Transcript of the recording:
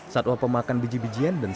satwa pemakan biji bijian dan